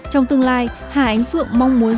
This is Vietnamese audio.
trong tương lai hà ánh phượng mong muốn